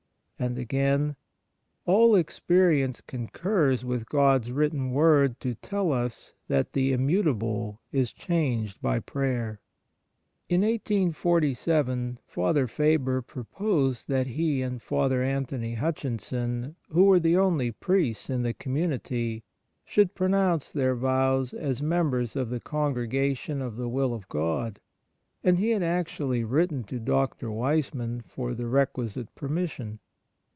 And again :' All experience concurs with God's written word to tell us that the Immutable is changed by prayer.' In 1847 Father Faber proposed that he and Father Anthony Hutchinson, who were the only priests in the community, should pronounce their vows as members of the Congregation of the Will of God, and he had actually written to Dr. Wiseman for the requisite permission.